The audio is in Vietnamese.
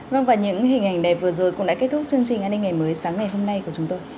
vâng và những hình ảnh đẹp vừa rồi cũng đã kết thúc chương trình an ninh ngày mới sáng ngày hôm nay của chúng tôi